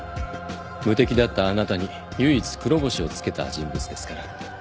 無敵だったあなたに唯一黒星をつけた人物ですから。